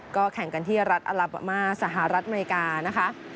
ก็แข่งกันที่รัฐอัลบามาสหรัฐอเมริกานะคะ